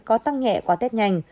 có tăng nhẹ qua tết nhanh